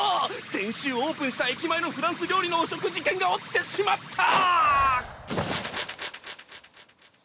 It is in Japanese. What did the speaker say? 先週オープンした駅前のフランス料理のお食事券が落ちてしまった！